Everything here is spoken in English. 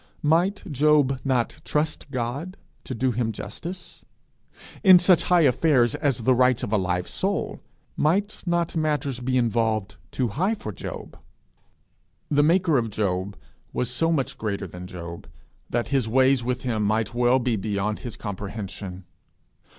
Might he not trust him to do him justice? In such high affairs as the rights of a live soul, might not matters be involved too high for Job? The maker of Job was so much greater than Job, that his ways with him might well be beyond his comprehension!